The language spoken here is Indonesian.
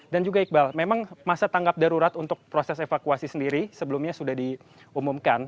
dan juga iqbal memang masa tanggap darurat untuk proses evakuasi sendiri sebelumnya sudah diumumkan